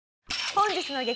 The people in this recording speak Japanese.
本日の激